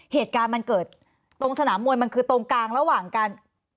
เหตุการณ์มันเกิดตรงสนามมวยมันคือตรงกลางระหว่างการ